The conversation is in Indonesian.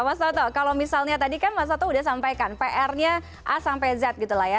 mas toto kalau misalnya tadi kan mas toto udah sampaikan pr nya a sampai z gitu lah ya